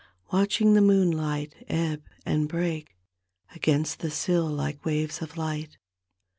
Watching the moonlight ebb and break gainst the sill like waves of light.